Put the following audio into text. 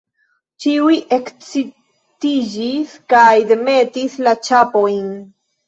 Ĉiuj ekscitiĝis kaj demetis la ĉapojn.